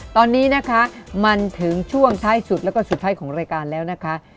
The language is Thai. ตอนนี้นะคะมันถึงช่วงท้ายสุดแล้วก็สุดท้ายของรายการแล้วนะคะ